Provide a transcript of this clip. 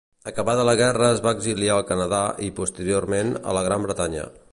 Acabada la guerra es va exiliar al Canadà i, posteriorment, a la Gran Bretanya.